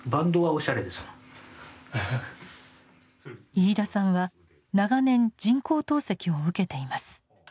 飯田さんは長年人工透析を受けています。